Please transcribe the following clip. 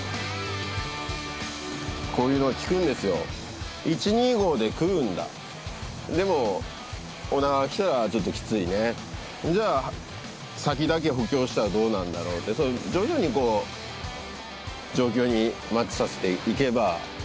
こういうのがきくんですよ１．２５で食うんだでもオナガがきたらちょっときついねじゃあ先だけ補強したらどうなんだろうってそう徐々にこう状況にマッチさせていけば